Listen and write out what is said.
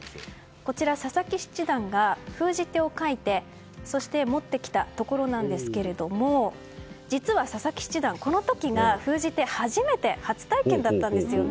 こちら、佐々木七段が封じ手を書いてそして、持ってきたところですが実は佐々木七段、この時が封じ手初体験だったんですね。